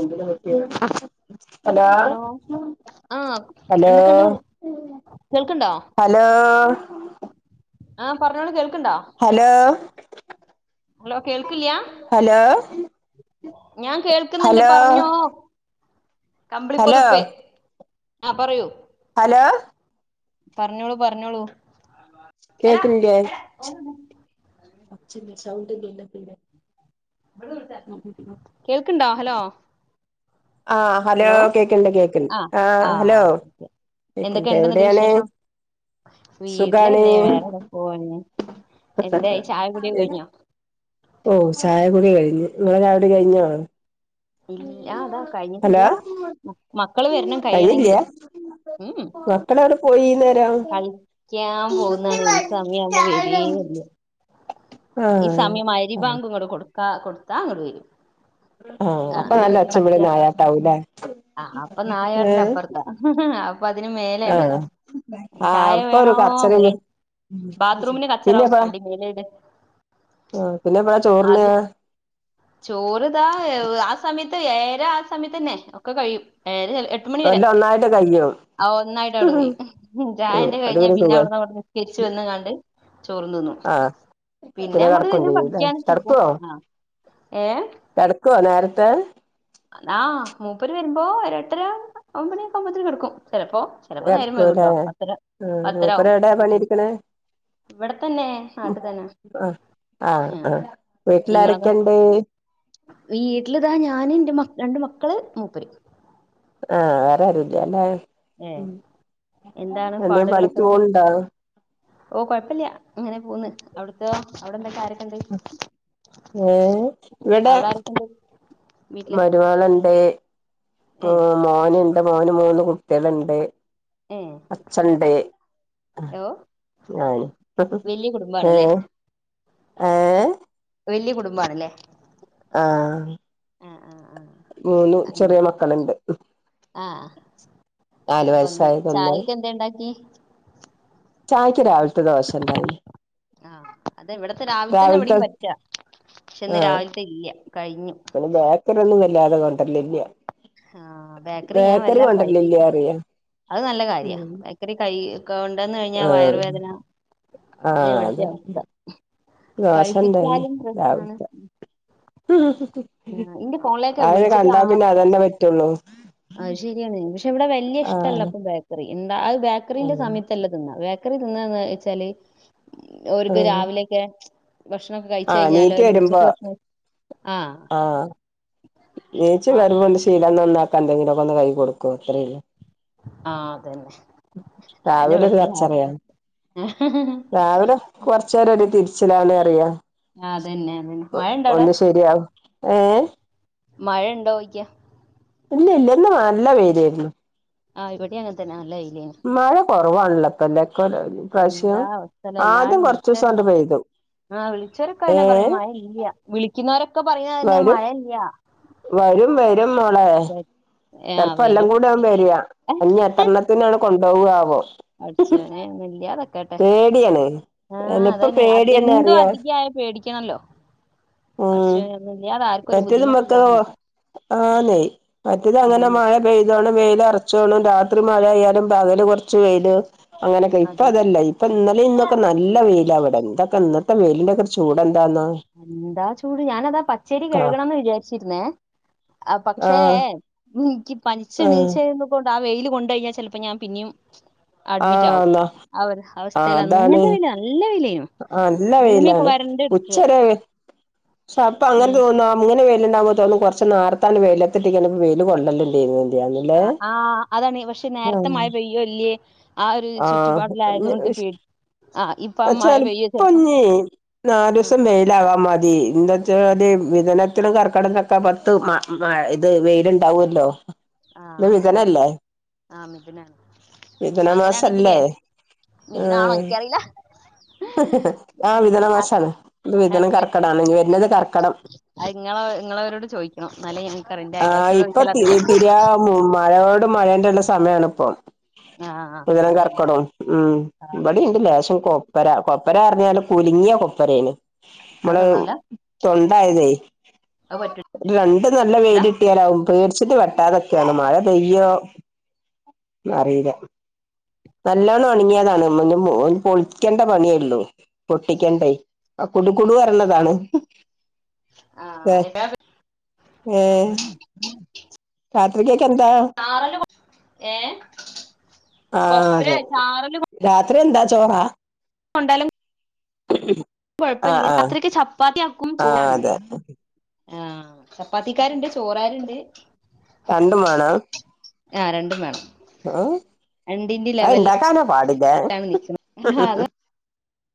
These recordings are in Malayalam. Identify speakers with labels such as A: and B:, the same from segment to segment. A: എന്തിനെ പറ്റ്യാ
B: ഹലോ ആഹ്
A: ഹലോ
B: എന്തൊക്കെയുണ്ട്?
A: ഹലോ
B: ആഹ് പറഞ്ഞോളൂ കേൾ
A: ഹലോ
B: ഹലോ കേൾക്കില്ലയാ
A: ഹലോ
B: ഞാൻ കേൾക്കുന്നുണ്ട്
A: ഹലോ
B: പറഞ്ഞോ.
A: ഹലോ
B: കമ്പിളിപ്പൊതപ്പ് ആഹ് പറയൂ
A: ഹലോ
B: പറഞ്ഞോളൂ പറഞ്ഞോളൂ എടാ
A: കേക്ക്ന്നില്ലേ?
B: എടാ കേൾക്ക്ണ്ടോ? ഹലോ
A: ആഹ് ഹലോ കേക്കണ്ട് കേക്കണ്ട് ആഹ് ഹലോ കേക്ക്ണ്ട്
B: എന്തൊക്കെണ്ട് ന്നട്ട്
A: എവിടെയാണ്?
B: വിശേഷം
A: സുഖാണ്
B: വീട്ടിലെന്നെ വേറെ എവിടെ പോവാനാ എന്തായി ചായ കുടിയൊക്കെ കഴിഞ്ഞോ?
A: ഓഹ് ചായകുടി കഴിഞ്ഞു ഇങ്ങളെ ചായ കുടി കഴിഞ്ഞോ?
B: ഇല്ല അതാ കഴിഞ്ഞിട്ടില്ല
A: ഹലോ
B: മ- മക്കള് വരണം കഴിയണെങ്കില്
A: കയ്ഞ്ഞില്ലിയാ
B: ഉം
A: മക്കള് എവിടെ പോയി
B: കളിക്കാൻ പോവുന്നാണെ ഈ സമയം ആവുമ്പോ വെരേ ഇല്ല ഈ
A: ആഹ്
B: സമയം മഹരിബാങ്ക് ഇങ്ങട് കൊടുത്താ കൊടുത്താ ഇങ്ങട് വരും.
A: ആഹ് അപ്പൊ നല്ല ഒച്ചേം വിളിം നായട്ടാവൂല്ലേ
B: ആഹ് അപ്പൊ നായാട്ടിന്റെ അപ്പറത്താ അപ്പൊ അതിന് മേലെ ഇള്ളെ.
A: ആഹ് ആഹ്
B: ചായ
A: അപ്പൊ ഒരു
B: വേണോ
A: കച്ചറയും
B: [unintelligible] ബാത്റൂമിന് കച്ചറാവും അടി മേലെഴുകാൻ
A: ആ പിന്നെപ്പ ചോറിനയാ
B: ചോറ് ഇതാ ആ സമയത്ത് ഏഴരാ ആ സമയത്ത്ന്നെ ഒക്കെ കഴിയും ഏഴര ച
A: ഒല്ല ഒന്നായിട്ട് കഴ
B: ആ ഒന്നായിട്ട് അവ്ടെ കഴിയും
A: ഉം
B: ചായന്റെ
A: അത്
B: കഴിഞ്ഞ
A: ഒരു
B: പിന്നെ
A: സുഖം
B: അവിടുന്ന് ങ്ങട്ട് നിസ്കരിച്ചു വന്ന് കാണ്ട് ചോറും തിന്നും
A: ആഹ്
B: പിന്നെ അങ്ങോട്ട
A: കിടക്കും
B: പിന്നെ
A: ചെയ്യൂല്ലേ
B: പഠിക്കാനും
A: കിടക്കുവോ
B: പോക്കും ആ ഏ
A: കിടക്കുവോ നേരത്തെ
B: എന്നാ മൂപ്പര് വരുമ്പോ ഒ എട്ടര ഒമ്പണി ഒക്കെ ആവുമ്പോത്തിന് കെടക്കും. ചെലപ്പോ ചെലപ്പോ നേരം വൈകും
A: കിടക്കൂല്ലേ
B: ട്ടോ
A: ആഹ്
B: പത്തര പത്തര
A: മൂപ്പര് എവിടെയാ
B: ആവും
A: പണിയെടുക്കണേ
B: ഇവിടെ തന്നെ നാട്ടി തന്നെ
A: ആഹ് ആഹ്
B: ഉം
A: ആഹ വീട്ടില
B: ഇങ്ങളതോ
A: ആരൊക്കെണ്ട്
B: വീട്ടിലിതാ ഞാനും എന്റെ രണ്ട മക്കള് മൂപ്പര്
A: ആഹ് വേറാരുല്ലാല്ലേ
B: ഏഹ് എന്താണ്
A: എന്തേം
B: പാടുകളൊക്കെ
A: പണിക്ക്
B: എന്നിട്ട്
A: പോണണ്ടാ
B: ഓ കൊഴപ്പല്ല അങ്ങനെ പോന്ന് അവിടത്തെ അവിടെ എന്ത കാര്
A: ഏ ഇവിടെ
B: അവിടെ ആരൊക്കെണ്ട് വീട്ടില്
A: മരുമകള്ണ്ട്
B: ഏഹ്
A: മോനുണ്ട് മോന് മൂന്ന് കു ട്ട്യാള്ണ്ട്
B: ഏഹ്
A: അച്ചണ്ട്.
B: ഓ
A: ഞാനും
B: വല്യ
A: ഏ
B: കുടുംബാണ്ല്ലേ
A: ഏ
B: വല്യ കുടുംബാണ് ല്ലേ
A: ആ
B: ആഹ്
A: മൂന്ന്
B: അങ്ങനെ
A: ചെറിയ മക്കളുണ്ട്.
B: ആഹ്
A: നാല്
B: അപ്പൊ അങ്ങനെ
A: വയസായതൊന്ന്
B: ചായക്ക് എന്താ ഇണ്ടാക്കി
A: ചായക്ക് രാവിലത്തെ ദോശ ഉണ്ടായിനി
B: അത ഇവിടത്തെ രാവില തന്നെ ഇ വിടെയും പറ്റാ പക്ഷെ ഇന്ന് രാവിലത്തെ ഇല്ല കഴിഞ്ഞു
A: [unintelligible] കൊണ്ടര്ലില്ല
B: ആഹ ബേക്കറി ഞാൻ വല്ല കഴിപ്പി
A: അറിയ
B: അത് നല്ല കാര്യാ.
A: ഉം
B: ബേക്കറി കൈ കൊണ്ടന്ന് കഴിഞ്ഞാ
A: ആഹ്
B: വയറുവേദന അനെ
A: ആഹ്
B: എവിടത്തെ
A: അതെ
B: അവസ്ഥ
A: ദോശ
B: കയി
A: ഉണ്ടായിന്
B: പ്പിച്ചാലും പ്രശ്നാണ്.
A: രാവിലത്തെ അത്
B: വിളിച്ചിട്ട്
A: കണ്ടാ
B: ആ
A: പിന്നെ അതന്നെ പറ്റുള്ളൂ
B: അത് ശരിയാണ് പക്ഷെ ഇവിടെ വലിയ ഇഷ്ടമല്ല
A: ആഹ്
B: ഇപ്പൊ ബേക്കറി എന്താ അത് ബേക്കറിന്റെ
A: ആഹ്
B: സമയത്ത്ല്ല ന്നാ ചക്കറി തിന്ന വെച്ചാല് അവക്ക്
A: ആഹ്
B: രാവിലെയക്കെ ഭക്ഷണൊക്കെ കഴിച്ച
A: ആഹ്
B: കഴിഞ്ഞാല്
A: നീറ്റ് വരുമ്പോ
B: ഉച്ചക്ക് ഭക്ഷണം ആഹ
A: ജേച്ചി വരുമ്പോ ശീലം എന്ന ഒന്നാക്ക എന്തെങ്കിലുമ ഒക്കെ ഒന്ന് കൈ കൊടുക്കോ അത്രല്ല
B: ആ അതന്നെ അതന്നെ
A: രാവിലെരു
B: ഇവിടുത്തെ
A: കച്ചറ
B: ആഹാരം
A: യാണ് രാവിലെ കൊറച്ചുപേര ഒരു തിരിച്ചിലാവണേ അറിയാം
B: ആ അതന്നെ അതന്നെ മഴ ഉണ്ടോ
A: ഒന്ന് ശരിയാവും ഏ
B: മഴയ ഉണ്ടോോയ്ിക്ക
A: ഇല്ല ഇല്ല ഇന്ന് നല്ല വൈലാ യിരുന്നു
B: ആഹ് ഇവിടെ അങ്ങനെ തന്നെ നല്ല വല
A: കുറവാണല്ലപ്പല്ലക്ക പ്രാവശ്യം ആദ്യം കൊറച്ച ദിവസം കൊണ്ട് പെയ്തു
B: ആഹ
A: ഏ
B: വിളിച്ചൊരക്കന്നെ പറയും മഴ ഇല്ല വിള ഒക്കെ പറഞ്ഞ തന്നെ
A: വരും
B: മഴല്ല
A: വരും വരും മോളെ
B: ആഹ്
A: ചെപ്പം എല്ലാം
B: വരും
A: കൂടെ ആവൻ വരിക അഞ്ഞ എത്രണ്ണത്തിനണ് കൊണ്ടുപോകവോ
B: അടിച്ചനെ മല്ലാതൊക്കട്ടെ
A: പേടിയാണ്
B: ആഹ
A: അല്ല ഇപ്പൊ
B: അതന്നെ
A: പേടിയാണ്
B: എന്തോ
A: അറിയാ
B: അധിക ആയ പേടിക്കണല്ലോ
A: ഉം
B: പട്ച്ചോനെ ഒന്നുല്ലാതെ ആർക്കും ഒരു ബുദ്ധിമുട്ടില്ലാതെ നിക്കട്ടെ
A: ആന്നേയ് മറ്റേത് അങ്ങനെ
B: ഉം
A: മഴ പെയ്തോണം വെയില അറച്ചോണം രാത്രി ത്ര് മഴയാലും പകല് കുറച്ച് വെയില് അങ്ങനെയൊക്കെ ഇപ്പൊ
B: അതെ
A: അതല്ല ഇപ്പൊ ഇന്നലെ ഇന്നൊക്കെ നല്ല വെയില ഇവിടെ എന്തൊക്കെ ഇ ഇപ്പ വെയിലിൻ്റൊക്കെയൊരു ചൂട് എന്താന്നാ
B: എന്താ ചൂട് ഞാനതാ പച്ചരി
A: കാ
B: കഴുകണന്ന് വിചാരിച്ചിരുന്നേ ആ പക്ഷേ
A: ആഹ്
B: എനിക്ക്
A: ആഹ്
B: പനിച്ചണീച്ചന്ന് കൊണ്ട് ആ വെയില്ൽ കൊണ്ട കഴിഞ്ഞാൽ ചിലപ്പോ ഞാൻ പിന്നെയും അഡ്മിറ്റ്
A: ആഹ്
B: ആവും
A: ന്നാ
B: ആ ഒര്
A: ആഹ്
B: അവസ്ഥല്ല
A: അതാണ്
B: അങ്ങനത്തെ വെയില് നല്ല വെയില്
A: നല്ല
B: ഭൂമിയൊക്കെ
A: വെയിലാണ്
B: വരണ്ട് കെടക്ക
A: സപ്പൊ അങ്ങനെ തോന്നും ഇങ്ങനെ വെയിലുണ്ടാവുമ്പോ തോന്നും കൊറച്ച് നേത്താണ് വെയിലെത്തിട്ട് [unintelligible] വെയില് കൊള്ളണ്ടില്ലെനു
B: ആഹ് അതാണ് പക്ഷെ നേരത്തെ
A: ആഹ്
B: മഴപെയ്യോ ഇല്ലേ ആ ഒരു ചുറ്റുപാടിലായതു കൊണ്ട് ചെലപ്പം
A: അച്ചല്പ്പൊഞ്ഞി
B: ഉം
A: നാലുസം മെലാകാ മതി എന്താച്ച അ വിതനത്തിലനും കർക്കടൊക്കെ പത്ത് ഇത് വെയിലുണ്ടാവുമല്ലോ
B: ആ എന്ന അങ്ങനെ ആ മിദനാണ്
A: വിതന മാസല്ലേ
B: അങ്ങനൊണെങ്കിലേ ഇതിനാണോ എനിക്ക അറില്ല
A: ആഹ വിതനമാശാണ് വിതനം കർക്കടാണ് നിവരുന്നത് കർക്കടം
B: അത്ങ്ങളെ നിങ്ങളെവരോട് ചോദിക്കണം നല്ല ഞനക്ക്റിന്റെ
A: ആ
B: അയിവാസിനോട്
A: ഇപ്പൊ തി
B: ചോദിച്ചാൽറിയണം
A: തിരിയാ മഴയോട് മഴേണ്ടള്ള സമയണ ഇപ്പൊ
B: ആ ആ,
A: പുദന
B: അതന്നെ
A: കർക്കടവും ഉ
B: ആ ആ
A: ഇവിടെ ണ്ട്
B: ശരി
A: ലേശം കൊപ്പര കൊപ്പര പറഞ്ഞാല് കുലുങ്ങിയ കൊപ്പരേണ്
B: അത്
A: മ്മടെ
B: നന്നാവൂല
A: തൊണ്ടായതേ
B: അത് പറ്റൂ
A: രണ്ട് നല്ല വെയ്ല്ട്ടിയാലാവും പ വച്ചിട്ട് വെട്ടാതൊക്കെയാണ് മഴ പെയ്യോ അറില്ല നല്ലോണം ഒണങ്ങിയതാണ് പൊളിക്കേണ്ട പണിയള്ളു പൊട്ടിക്കേണ്ടേ ആ കുടു കുടു പറരണതാണ്
B: ആ
A: ഏ ത്രരിക
B: ആറല് ഏ
A: ആഹ
B: കൊപ്ര
A: അതെ രാത്രി എന്താ ചോറ
B: ണ്ടാലും കൊഴപ്പല്ല രാത്രിക്ക് ചപ്പാ
A: ആഹ അതെ
B: ചപ്പാത്തിക്കാരുണ്ട് ചോറാരുണ്ട്.
A: രണ്ടും
B: ആ രണ്ടും വേണം
A: ആ
B: രണ്ടിന്റെ
A: ആ
B: ലെവലിലാണ്
A: ഇണ്ടാക്കാനോ പാടില്ല
B: നിക്കുന്നത് ആഹ് അത്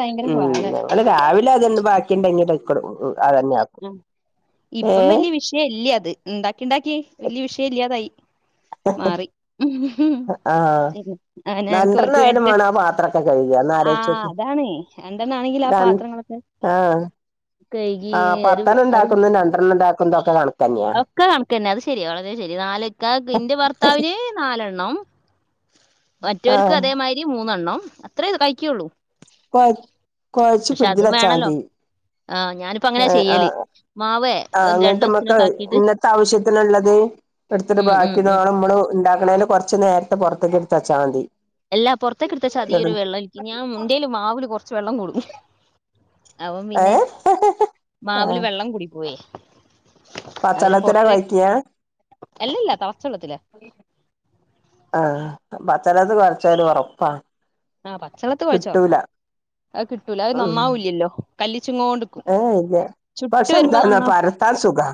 B: ഭയങ്കര
A: ഉം
B: പാടാ
A: ഞങ്ങള് രാവിലെ അതണ്ട് ബാക്കിണ്ടങ്ങിട്ട്ക്കോടും ഉ
B: ആ ഇപ്പം വല്യ വിഷയം ഇല്ലേ അത് ണ്ടാക്കി ണ്ടാക്കി വല്യ വിഷയം ഇല്ലാതായി മാറി
A: ആ
B: അനെനക്ക് ർക്ക്
A: രണ്ടെണ്ണായാലും
B: വേണ്ടിട്ട്
A: വേണം ആ പാത്രൊക്കെ കഴുകാ ഒന്ന്
B: ആ
A: ആലോചിച്ച്
B: അതാണ് എണ്ടെണ്ണ ആണെങ്കില ആ പാത്രങ്ങളൊക്കെ
A: ആഹ
B: കൈകി
A: ആ പത്തെണ്ണം ഉണ്ടാക്കുന്നും രണ്ടെണ്ണം ഉണ്ടാക്കുന്നത ഒക്കെ കാണും
B: ഒക്കെ കണക്ക് ന്നെ അത് ശെരിയാ വളരെ ശരി നാലക്ക ഇന്റെ ഭർത്താവിന് നാലെണ്ണം മറ്റവർക്ക്
A: ആഹ്
B: അതേമാതിരി മൂന്നെണ്ണം അത്രേ ഇ കഴിക്കുള്ളൂ
A: കൊഴ കൊയച്ചു
B: പക്ഷെ അതും വേണല്ലോ
A: ഫിജിലച്ചാതി
B: ആഹ് ഞാനിപ്പ അങ്ങനെ ചെയ്യല മാവേ
A: ആഹ്
B: രണ്ട
A: എന്നിട്ട്
B: ദിവസത്തിന
A: നമ്മക്ക് ഇന്നത്തെ ആവശ്യത്തിനുള്ളത് എടുത്തിട്ട്
B: ഉം ഉം
A: ബാക്കി
B: ഉം
A: നമ്മള് ഉണ്ടാക്കണല് കുറച്ച് നേരത്തെ പൊറത്തേക്ക് എടുത്തച്ചാ മതി
B: എല്ലാ പൊറത്തേക്കെ എടുത്തച്ചാ അധികരു വെള്ളാരിക്കും ഇ ഞാൻ എന്തേല് മാവില് കൊറച്ച് വെള്ളം കൂടും അവൻ പിന്നെ
A: ഏഹ്
B: മാവില്
A: ആഹ്
B: വെള്ളം കൂടിപ്പോയേ അന്
A: പച്ചെള്ളത്തിലാ
B: പൊറത്തേ
A: കൊഴയ്ക്കാ
B: അല്ലല്ല തളച്ച വെള്ളത്തില
A: ആഹ അപ്പച്ചനത് കുറച്ചല് ഉറപ്പാ
B: ആ പച്ചെത്തി കുഴച്ച ഉറപ്പ
A: കിട്ടൂല
B: അത് കിട്ടൂല അത്
A: ഉം
B: നന്നാവൂല്ലല്ലോ ചുങ്ങ കൊണ്ടക്കും
A: ഏഹ് ഇല്ല
B: ചുട്ട്
A: പക്ഷെ
B: വരുമ്പോ
A: എന്താന്നാ
B: നന്ന
A: പരത്താൻ സുഖാ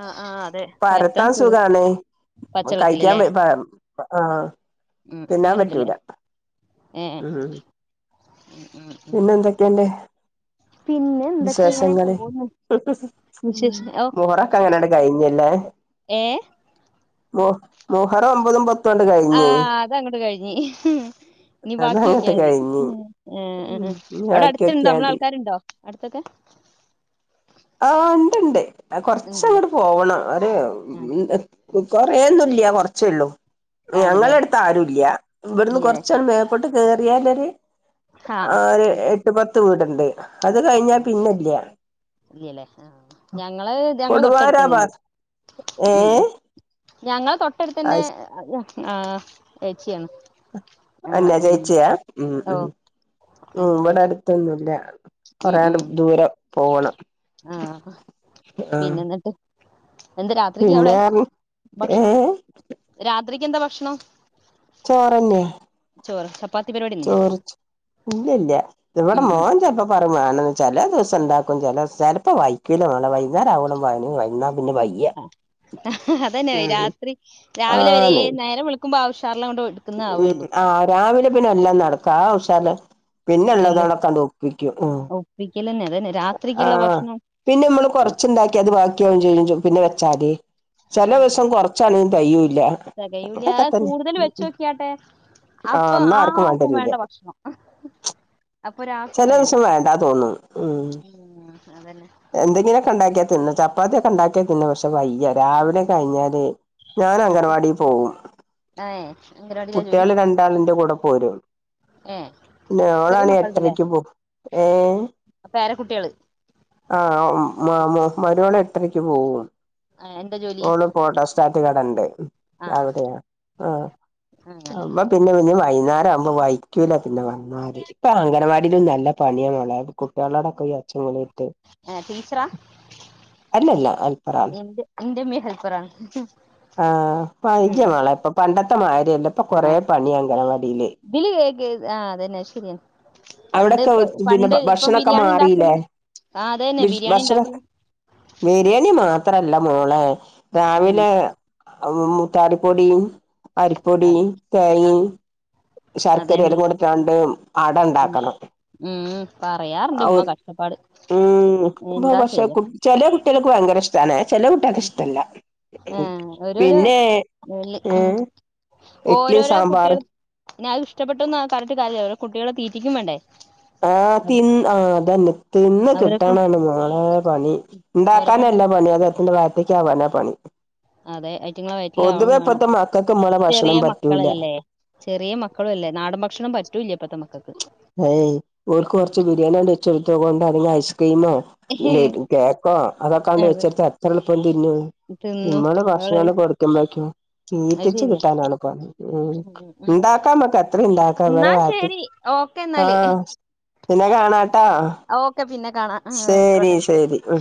B: ആ ആ അതെ പരത്താൻ സുഖം
A: കഴിക്കാൻ വെ വ ആ
B: ഉം അങ്ങനെണ്ടല്ലേ ഏ.
A: ഉം പിന്നെ എന്തെക്കെണ്ട്?
B: പിന്നെ എന്തൊക്കെ ഇങ്ങനെ
A: വിശേഷങ്ങള്
B: പോകുന്നു
A: മുഹറൊക്കെ അങ്ങനെങ്ങട് കഴിഞ്ഞ
B: ഏ?
A: മു മുഹറൊമ്പതും പത്
B: ആ അതങ്ങട് കഴിഞ്ഞ് ഇനി ബാക്കി
A: അതങ്ങട്ട്
B: ഓക്കിയാ മതി.
A: കഴിഞ്ഞ് ഉം ഇനി
B: അവിടെ അടുത്തുണ്ടോ നമ്മളെ
A: ബാക്കിയൊക്കെയാതി
B: ആൾക്കാരുണ്ടോ അടുത്തൊക്കെ?
A: ആ ഉണ്ട്ണ്ട്
B: ഉണ്ടല്ലേ
A: കൊറച്ചങ്ങട് പോവണം ഒര്
B: ആഹ്
A: കൊറേന്നുല്ല്യ കൊറ ച്ചെള്ളൂ ഞങ്ങളെ
B: ആണ്ല്ലേ
A: അടുത്താരുല്ല്യ ഇവിടുന്ന്
B: ഇല്ലല്ലേ
A: കൊറച്ചങ്ങ് മേപ്പോട്ട് കേറിയാലൊര്
B: ആഹ്
A: ആര്
B: അങ്ങനെ
A: എട്ട് പത്ത് വീടൊണ്ട് അത് കഴിഞ്ഞാ
B: ആഹ്
A: പിന്നെല്ല.
B: ഞങ്ങള് ഞങ്ങള്
A: ഭാ
B: തൊട്ടടുത്തന്നെണ്ട്.
A: ഏഹ്
B: ഞങ്ങളെ തൊട്ടടുത്തന്നെ
A: അയ്ശ്
B: ആ ഏച്ചിയാണ്. ഞങ്ങളെ
A: അന്റെ
B: ഉം
A: ചേച്ചിയാ ഉം ഉം
B: ഓഹ്
A: ഉം
B: അങ്ങനെയായിട്ട്
A: ഇവടടുത്തൊന്നുല്ല.
B: ഉം
A: കൊറേയാണ്ട്
B: ഉം
A: ദൂരം പോവണം
B: ആഹ്
A: ആഹ
B: പിന്നെ എന്നിട്ട് എന്താ രാത്രിക്ക് അവിടെ
A: പിന്നെർഞ്ഞ് ഏ
B: ത്രിക്ക് എന്താ ഭഷ്ണം? ചപ്പാത്തി പരിപാടിയൊന്നുല്ല
A: ചോറ്ച്ച് ഇല്ലല്ല ഇവടെ
B: ഉം ഉം
A: മോൻ ചെൽപ്പ പറന്നാണെച്ചെലെദിസ് സണ്ടാക്കും ചെലേസ് ചെലപ്പോ വൈക്കൂലാളെ വൈകുന്നേരാവോളം വണി വൈന്നാ പിന്നെ വയ്യ.
B: [unintelligible] അതന്നെ
A: ഉം
B: രാത്രി രാവിലെ വരെ
A: ആന്ന്
B: നേരം വെളു
A: ഉം ആ രാവിലെ പിന്നെ എല്ലാം നടക്കും ആ ഉഷാർല്
B: എല്ല്
A: പിന്നെള്ളതോളൊക്കൊണ്ട് ഒപ്പിക്കും ഉം
B: ഒപ്പിക്കലന്നെ അതന്നെ
A: ആ
B: രാത്രിക്കുള്ള ഭക്ഷണം
A: പിന്നെ മ്മള് കൊറച്ചുണ്ടാക്കി അത് ബാക്കിയാവേം ചെയ്യൂ പിന്നെ വെച്ചാല്.
B: അതങ്ങനെ
A: ചെലസം
B: തന്നെ
A: കൊറച്ചാണെങ്കി തെയൂല്ല [unintelligible] തന്നെ
B: ക്കാട്ടെ അപ്പൊ
A: ആഹ് എന്നാ
B: ആർക്കുംമ്മേണ്ട ഭക്ഷണം. അപ്പൊ ഒരാൾക്കും
A: ചെല
B: വേണ്ട
A: ദിസം വേണ്ടാ തോന്നും ഉം
B: ഉം അതന്നെ
A: എന്തെങ്കിലൊക്കെണ്ടാക്കിയാ തിന്നു ചപ്പാത്തിയക്കെണ്ടാക്കിയാ തിന്നും പഷെ വയ്യ. രാവിലെ കഴിഞ്ഞാല് ഞാൻ അംഗനവാടി പോവും.
B: ഏ അംഗനവാടിയിലാ ജോലി
A: കുട്ടികള് രണ്ടാളിന്റെ കൂടെ പോരും.
B: ഏ ചെറിയ
A: ന്നെയോളാണെ എട്ടരക്ക് പോം ഏ?
B: അപ്പേരകുട്ടികള്.
A: ആ മ് മ മരോള് ഏട്ടരക്ക് പോവും.
B: എന്താ ജോലി
A: ഓള് പോട്ടോസ്റ്റാറ്റ് കടണ്ട്.
B: ആ
A: അവടെയ ആ
B: അങ്ങനെ
A: അപ്പ പിന്നെ [unintelligible] വൈന്നേരാവുമ്പോ വൈക്കൂല. പിന്നെ വന്നാല് ഇപ്പൊ അംഗനവാടിലും നല്ല പണിയാ മോളെ കുട്ടികളോടൊക്കെ ഈ ഒച്ചയിങ്ങനെടുത്തിട്ട്
B: ടീച്ചറാ
A: അല്ലല്ല അൽപ്പറാണ്.
B: എന്റുമ്മേം ഹെൽപറാണ്.
A: ആ വൈചമാള ഇപ്പൊ പണ്ടത്തെ മാരിയല്ല ഇപ്പൊ കൊറെ
B: ആ
A: പണിയാ അംഗനവാടില്.
B: ഇതില് കേക്ക് ആ അതന്നെ ശരിയ പണ്ട്
A: അവിടൊക്കെ പിന്നെ
B: പണ്ട് ഇപ്പം
A: ഭക്ഷണൊക്കെ മാറിയില്ലേ
B: ബിരിയാണിണ്ടാക്കലും ആ അതെന്നെ
A: ഭക്ഷണം
B: ബിരിയാണിണ്ടാക്കുന്നു.
A: ബിരിയാണി മാ- ത്രല്ല മോളെ
B: ഉം
A: രാവിലെ മുത്താറിപ്പൊടിയും അരിപ്പൊടിം
B: അതെ
A: തേങ്ങേ
B: അതെ അതന്നെ
A: ശർക്കരല്ലാം കൂടിട്ടാണ്ട് അടണ്ടാ
B: ഉം
A: [unintelligible]
B: ഉം പറയാറുണ്ട് ഉമ്മ കഷ്ടപ്പാട്
A: ഉം ഇപ്പ
B: എന്താ
A: പഷെ
B: ചെയ്യാ
A: ചെല കുട്ടികൾക്ക് വ രിഷ്ട്ടാണെ. ചെല കുട്ടികൾക്കിഷ്ട്ടല്ല
B: ആ ഓരോരോ
A: പിന്നെ ഉം
B: ഓരോരോ കുട്ടികൾ നത് ഇഷ്ടപ്പെട്ടുന്ന് പറഞ്ഞിട്ട് കാര്യല്ല ഓരോ കുട്ടികളെ തീറ്റിക്കും വേണ്ടേ.
A: ആ
B: അവരെ
A: തിന്ന് ആ അതന്നെ തിന്ന്
B: അവരെക്കൊണ്ട്
A: കിട്ടാനാണ് മോളെ പണി ഉണ്ടാക്കാന
B: അവരെക്കൊണ്ട്
A: ല്ല
B: തീറ്റി
A: പണി [unintelligible] വായത്തേക്കാവാനാ പണി.
B: അതെ ഐറ്റങ്ങളെ വയറ്റിലാവും
A: പൊതുവെ
B: വാണം.
A: ഇപ്പത്തെ മക്കൾക്ക് നമ്മളെ
B: ചെറിയ
A: ഭക്ഷണം പറ്റൂല
B: മക്കളല്ലേ ചെറിയ മക്കളും അല്ലേ നാടൻ ഭക്ഷണം പറ്റൂല്ല ഇപ്പത്തെ മക്കൾക്ക്
A: ഏയ് ഒരുർ
B: ഉം
A: കുറച്ച് ബിരിയാണിണ്ട് വെച്ചെടുത്ത കൊണ്ടെ ഐസ് ീമോ കേക്കോ അതൊക്കൊണ്ട്
B: അതെ
A: വെച്ചെടുത്ത് എത്ര പിന്നെ
B: തിന്നും
A: നിമ്മള്
B: അവളത്
A: ഭക്ഷണ കൊടുക്ക്പക്കോ
B: അത്
A: തീത്തച്ച
B: ശരി
A: കിട്ടാനാണ് പോ ഉ
B: ഉം ഉം
A: ഉണ്ടാക്കാംമക്ക് അത്ര ഇണ്ടാക്കാം
B: എന്നാ
A: ഇടെ മാറ്റ
B: ശരി ഓക്കെ
A: ആ
B: എന്നാല്
A: പിന്നെ കാണാട്ടാ
B: ഓക്കെ പിന്നെ കാണാം ആ ആയിക്കോട്ടെ
A: ശരി ശരി ആ